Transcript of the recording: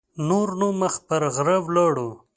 نور نو مخ پر غره لاړو.